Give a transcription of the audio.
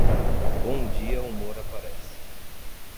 Bom dia humor parece.